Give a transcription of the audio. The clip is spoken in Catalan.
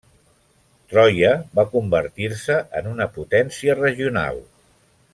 Troia va convertir-se en una potència regional.